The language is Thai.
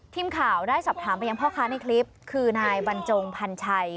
ทีมข่าวได้สอบถามไปยังพ่อค้าในคลิปคือนายบรรจงพันชัย